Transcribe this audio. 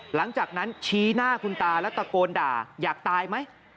หลังจากนั้นชี้หน้าคุณตาแล้วตะโกนด่าอยากตายไหม